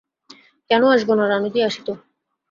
-কেন আসবো না রানুদি,-আসি তো?